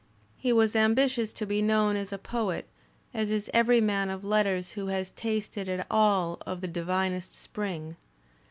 He was ambitious to be known as a poet, as is every man of letters who has tasted at all of the divinest spring.